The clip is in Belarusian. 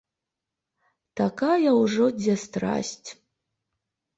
Такая ўжо дзе страсць.